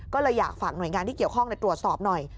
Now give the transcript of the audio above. ก็เลยอยากฝากหน่วยงานที่เกี่ยวข้องตรวจสอบหน่อย